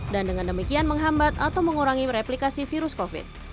dan dengan demikian menghambat atau mengurangi replikasi virus covid